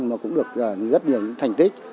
mà cũng được rất nhiều thành tích